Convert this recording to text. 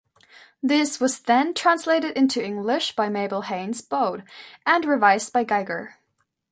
This was then translated into English by Mabel Haynes Bode, and revised by Geiger.